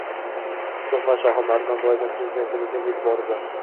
So‘x va Shohimardon doimo Prezidentimizning e’tiborida